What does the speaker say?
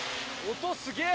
音すげぇ。